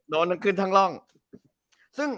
โดนทั้งขึ้นทั้งร่อง